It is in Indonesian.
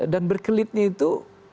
dan berkelitnya itu